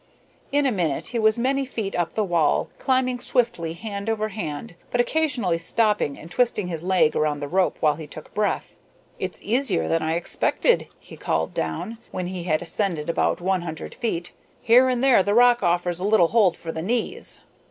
In a minute he was many feet up the wall, climbing swiftly hand over hand, but occasionally stopping and twisting his leg around the rope while he took breath. "It's easier than I expected," he called down, when he had ascended about one hundred feet. "Here and there the rock offers a little hold for the knees."